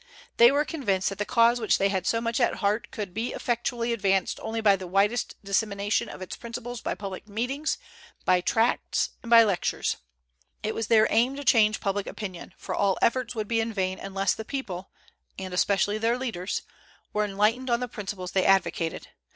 They were convinced that the cause which they had so much at heart could be effectually advanced only by the widest dissemination of its principles by public meetings, by tracts and by lectures. It was their aim to change public opinion, for all efforts would be in vain unless the people and especially their leaders were enlightened on the principles they advocated.